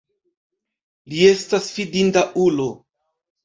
Li estas fidinda ulo.